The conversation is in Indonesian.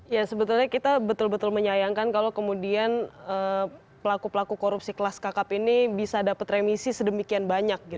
ya sebetulnya kita betul betul menyayangkan kalau kemudian pelaku pelaku korupsi kelas kakap ini bisa dapat remisi sedemikian banyak